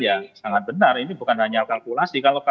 ya sangat benar ini bukan hanya kalkulasi